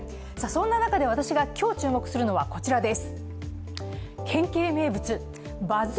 そんな中で私が今日、注目するのはこちらです。